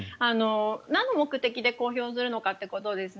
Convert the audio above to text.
なんの目的で公表するのかということですね。